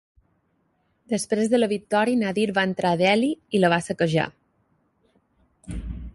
Després de la victòria Nadir va entrar a Delhi i la va saquejar.